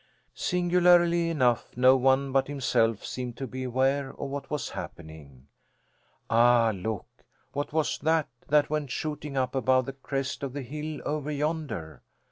Singularly enough no one but himself seemed to be aware of what was happening. Ah, look! What was that that went shooting up above the crest of the hill over yonder?